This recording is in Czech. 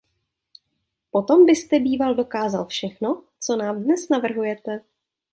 Potom byste býval dokázal všechno, co nám dnes navrhujete.